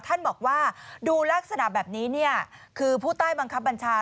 ท่านบอกว่าดูลักษณะแบบนี้เนี่ยคือผู้ใต้บังคับบัญชา